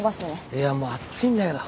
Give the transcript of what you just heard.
いやもうあっついんだけど。